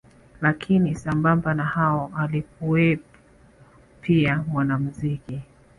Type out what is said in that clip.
Lakini sambamba na hao alikuweo pia mwanamuziki